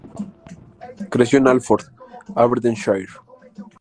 Creció en Alford, Aberdeenshire.